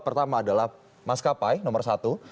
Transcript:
pertama adalah maskapai nomor satu